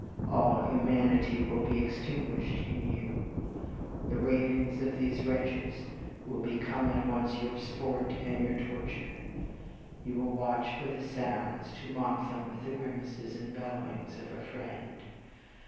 All humanity will be extinguished in you. The ravings of these wretches will become at once your sport and your torture. You will watch for the sounds, to mock them with the grimaces and bellowings of a fiend.